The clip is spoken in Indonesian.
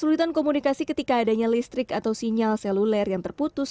kesulitan komunikasi ketika adanya listrik atau sinyal seluler yang terputus